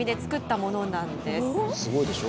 すごいでしょ。